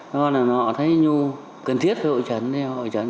họ thấy cần thiết hội trần